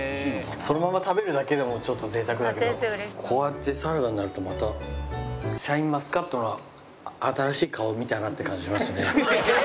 そのまま食べるだけでもちょっと贅沢だけどこうやってサラダになるとまたシャインマスカットの新しい顔を見たなって感じしますね。